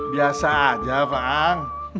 biasa aja pak